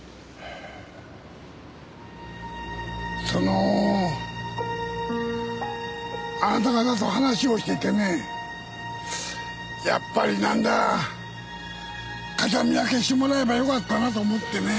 そのあなた方と話をしててねやっぱりなんだ形見分けしてもらえばよかったなと思ってね。